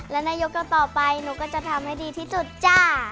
และในยกต่อไปหนูก็จะทำให้ดีที่สุดจ้า